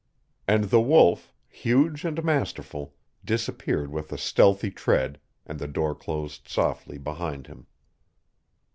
And the Wolf, huge and masterful, disappeared with a stealthy tread, and the door closed softly behind him.